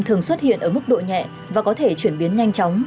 thường xuất hiện ở mức độ nhẹ và có thể chuyển biến nhanh chóng